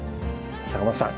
坂本さん